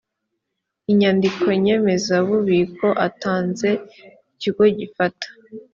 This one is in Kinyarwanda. inyandiko nyemezabubiko atanze ikigo gifata